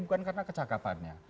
bukan karena kecakapannya